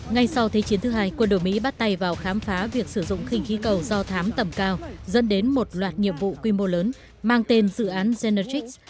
ngay sau thế chiến thứ hai quân đội mỹ bắt tay vào khám phá việc sử dụng khinh khí cầu do thám tầm cao dẫn đến một loạt nhiệm vụ quy mô lớn mang tên dự án zenertrix